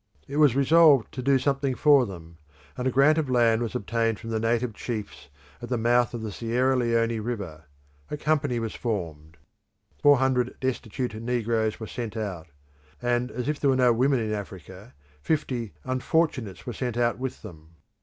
It was resolved to do something for them, and a grant of land was obtained from the native chiefs at the mouth of the Sierra Leone River: a company was formed; four hundred destitute negroes were sent out; and, as if there were no women in Africa, fifty "unfortunates" were sent out with them.